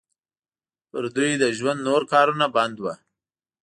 پر دوی د ژوند نور کارونه بند وو.